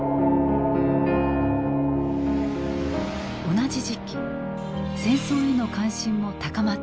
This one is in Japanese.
同じ時期戦争への関心も高まっていた。